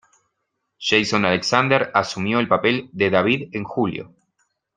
Jason Alexander asumió el papel de David en julio.